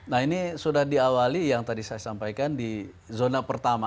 nah ini sudah diawali yang tadi saya sampaikan di zona pertama